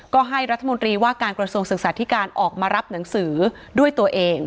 ก็ให้รัฐมนตรีว่าการกระทรวงศึกษาธิการออกมารับหนังสือด้วยตัวเอง